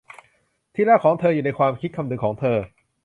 ที่รักของเธออยู่ในความคิดคำนึงของเธอ